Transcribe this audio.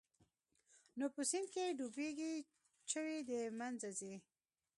نو په سيند کښې ډوبېږي چوي د منځه ځي.